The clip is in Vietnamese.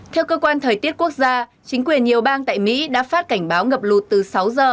theo cơ quan thời tiết quốc gia chính quyền nhiều bang tại mỹ đã phát cảnh báo ngập lụt từ sáu giờ